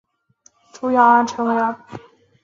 主要城镇为阿普。